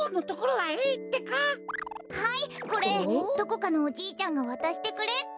はいこれどこかのおじいちゃんがわたしてくれって。